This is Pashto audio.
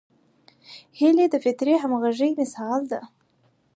هیلۍ د فطري همغږۍ مثال ده